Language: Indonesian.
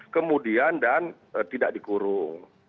kemudian dan tidak dikurung